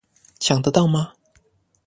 搶得到嗎